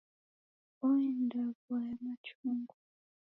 Oenda w'aya machungwa.